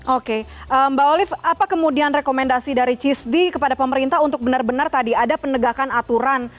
oke mbak olive apa kemudian rekomendasi dari cisdi kepada pemerintah untuk benar benar tadi ada penegakan aturan